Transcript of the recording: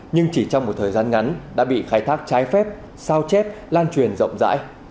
nhưng chỉ trong một thời gian ngắn đã bị khai thác trái phép sao chết lan truyền rộng rãi